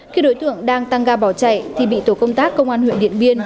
khi đối tượng đang tăng ga bỏ chạy thì bị tổ công tác công an huyện điện biên